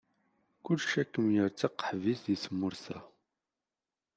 Kullec ad kem-yerr d taqaḥbit deg tmurt-a.